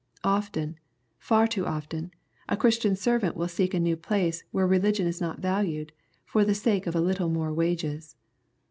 Often, far too often, a Christian servant will seek a new place where religion is not valued, for the sake of a little more wages.